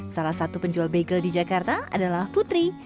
salah satu penjual bagel di jakarta adalah putri